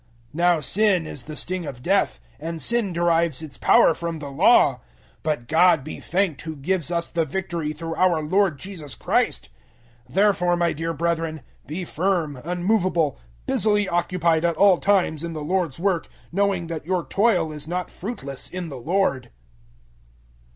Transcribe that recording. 015:056 Now sin is the sting of death, and sin derives its power from the Law; 015:057 but God be thanked who gives us the victory through our Lord Jesus Christ! 015:058 Therefore, my dear brethren, be firm, unmovable, busily occupied at all times in the Lord's work, knowing that your toil is not fruitless in the Lord.